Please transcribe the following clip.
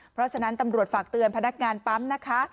เพราะฉะนั้นตำรวจฝากเตือนพนักงานปั๊มนะคะ